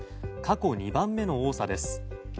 過去２番目の多さです。